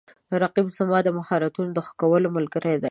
رقیب زما د مهارتونو د ښه کولو ملګری دی